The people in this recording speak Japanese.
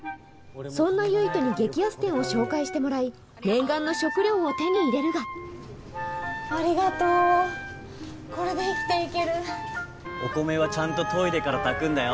そんな唯斗に激安店を紹介してもらい念願の食料を手に入れるがありがとうこれで生きていけるお米はちゃんとといでから炊くんだよ